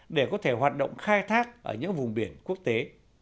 để có thể hoạt động khai thác ở những vùng biển quốc tế